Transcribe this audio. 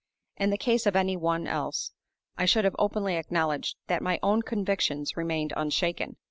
In the case of any one else, I should have openly acknowledged that my own convictions remained unshaken.